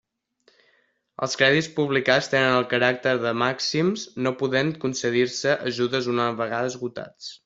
Els crèdits publicats tenen el caràcter de màxims, no podent concedir-se ajudes una vegada esgotats.